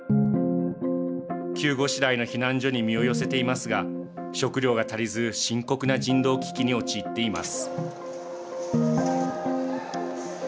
急ごしらえの避難所に身を寄せていますが食料が足りず深刻な人道危機に陥っています。